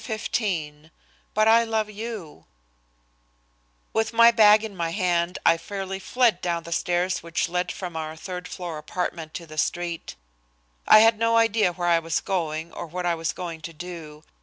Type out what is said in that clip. XV "BUT I LOVE YOU" With my bag in my hand, I fairly fled down the stairs which led from our third floor apartment to the street. I had no idea where I was going or what I was going to do.